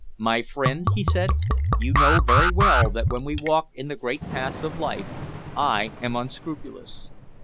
"My friend," he said, "you know very well that when we walk in the great paths of life I am unscrupulous.